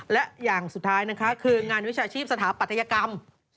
และอย่างสุดท้ายนะคะคืองานวิชาชีพสถาปัตยกรรม